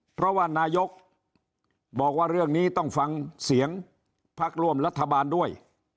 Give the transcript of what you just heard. เพราะว่านายกบอกว่าเรื่องนี้ต้องฟังเสียงพักร่วมรัฐบาลด้วย